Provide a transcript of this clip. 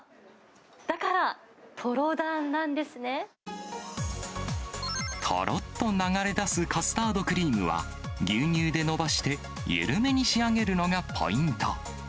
だから、とろっと流れ出すカスタードクリームは、牛乳でのばして緩めに仕上げるのがポイント。